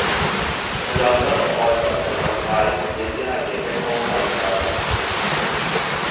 佢有真愛真係想睇，你只係被逼幫手搶